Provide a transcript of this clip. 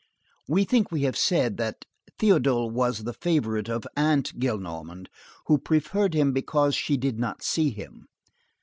We think we have said that Théodule was the favorite of Aunt Gillenormand, who preferred him because she did not see him.